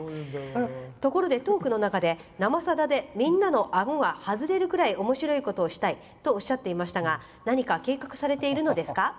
ところで、トークの中で「生さだ」で、みんなのあごが外れるくらいおもしろいことをしたいとおっしゃっていましたが何か計画されているのですか？